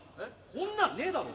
こんなんねえだろ。